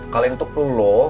kalian itu perlu lo